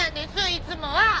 いつもは！